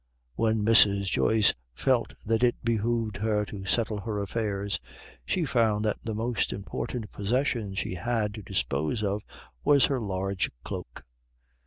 When Mrs. Joyce felt that it behooved her to settle her affairs, she found that the most important possession she had to dispose of was her large cloak.